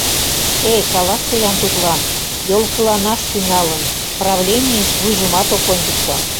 Э, каласы-ян тудлан, йолкыланаш тӱҥалын, правленийыш вуйжымат ок ончыкто...